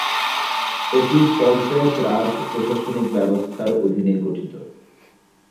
এটি পঞ্চায়েত রাজ প্রশাসনিক ব্যবস্থার অধীনে গঠিত।